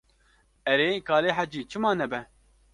Erê, kalê hecî, çima nabe.